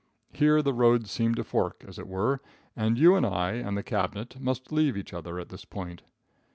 Here the roads seem to fork, as it were, and you and I, and the cabinet, must leave each other at this point.